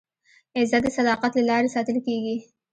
عزت د صداقت له لارې ساتل کېږي.